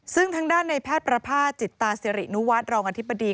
ซึ่งทางด้านในแพทย์ประภาษจิตตาสิรินุวัฒน์รองอธิบดี